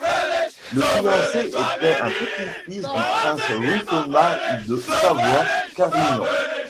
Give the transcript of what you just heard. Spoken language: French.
Le fiancé était un petit-fils du Prince Louis Thomas de Savoie-Carignan.